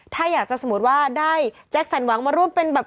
ถ้าอยากจะสมมุติว่าได้แจ็คสันหวังมาร่วมเป็นแบบ